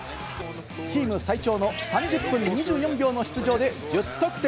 チーム最長の３０分２４秒の出場で１０得点。